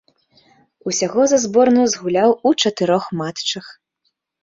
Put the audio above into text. Усяго за зборную згуляў у чатырох матчах.